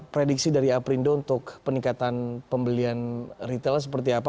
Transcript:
prediksi dari aprindo untuk peningkatan pembelian retailnya seperti apa